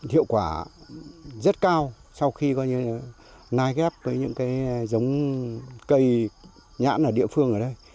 hiệu quả rất cao sau khi nai ghép với những cây nhãn ở địa phương ở đây